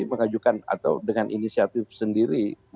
mengajukan atau dengan inisiatif sendiri